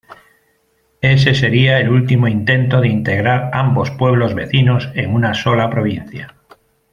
Ese sería el último intento de integrar ambos pueblos vecinos en un sola provincia.